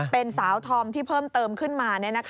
เป็นสาวธอมที่เพิ่มเติมขึ้นมา